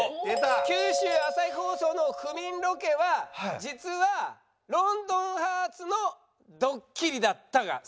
「九州朝日放送の不眠ロケは実は『ロンドンハーツ』のドッキリだった」が正解です。